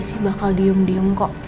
sih bakal diem diem kok